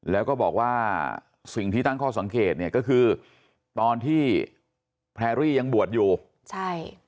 แล้วก็บอกว่าสิ่งที่ตั้งข้อสังเกตเนี่ยก็คือตอนที่แพรรี่ยังบวชอยู่ใช่